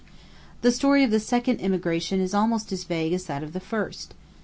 The story of the second immigration is almost as vague as that of the first.